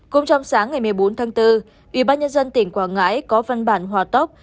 cùng trong sáng ngày một mươi bốn tháng bốn ủy ban nhân dân tỉnh quảng ngãi có văn bản hòa tóc